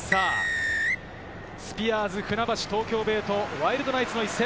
スピアーズ船橋・東京ベイとワイルドナイツの一戦。